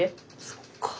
そっか。